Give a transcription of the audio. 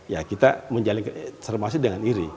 ya kita menjalankan termasuk dengan iri